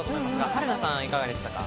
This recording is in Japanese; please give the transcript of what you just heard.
春菜さん、いかがでしたか？